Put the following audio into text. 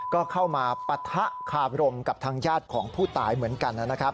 ก็เข้ามาปะทะคาบรมกับทางญาติของผู้ตายเหมือนกันนะครับ